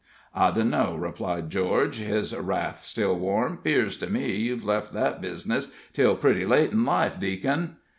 "I dunno," replied George, his wrath still warm; "'pears to me you've left that bizness till pretty late in life, Deac'n!"